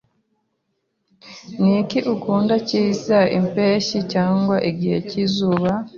Niki ukunda cyiza, impeshyi cyangwa igihe cyizuba?